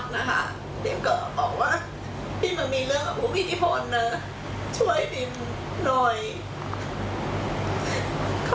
แล้วก็บอกว่าไม่ได้มาแค่ผู้หญิงผู้ชายก็มา